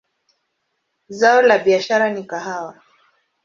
Zao la biashara ni kahawa.